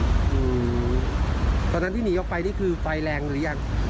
อืมตอนนั้นที่หนีออกไปนี่คือไฟแรงหรือยัง